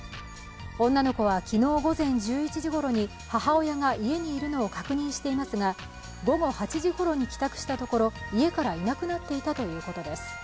女の子は昨日午前１１時ごろに母親が家にいるのを確認していますが午後８時ごろに帰宅したところ、家からいなくなっていたということです。